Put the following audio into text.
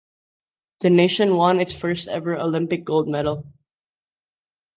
The nation won its first ever Olympic gold medal.